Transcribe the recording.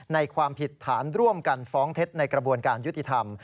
ความผิดฐานร่วมกันฟ้องเท็จในกระบวนการยุติธรรม